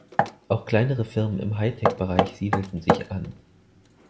Auch kleinere Firmen im Hightech-Bereich siedelten sich an.